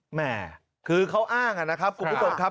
แม่คือเขาอ้างนะครับคุณผู้ชมครับ